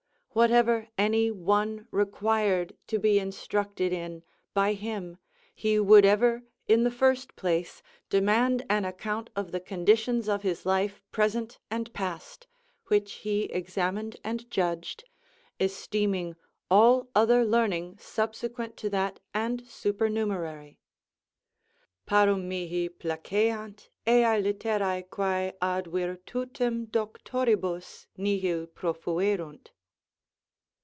Whatever any one required to be instructed in, by him, he would ever, in the first place, demand an account of the conditions of his life present and past, which he examined and judged, esteeming all other learning subsequent to that and supernumerary: _Parum mihi placeant eæ littero quo ad virtutem doctoribus nihil pro fuerunt.